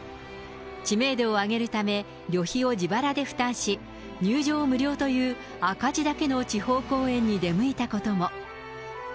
知名度を上げるため、旅費を自腹で負担し、入場無料という赤字だけの地方公演に出向いたことも。